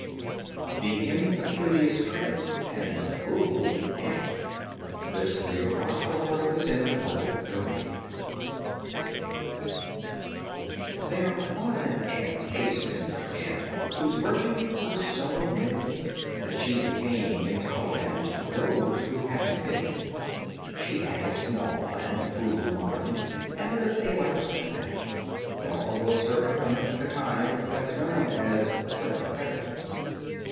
THE IMPECUNIOUS CRICKET AND THE FRUGAL ANT There was an ant, a spinster ant, Whose virtues were so many That she became intolerant Of those who hadn't any: She had a small and frugal mind And lived a life ascetic, Nor was her temperament the kind That's known as sympathetic.